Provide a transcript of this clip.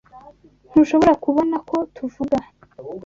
Ntushobora kubona ko tuvuga?